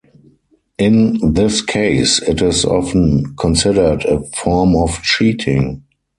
In this case, it is often considered a form of cheating.